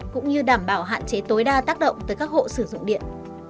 cũng như đảm bảo hạn chế tối đa tác động tới các hộ sử dụng điện